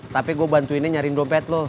tapi gua bantuinnya nyariin dompet lo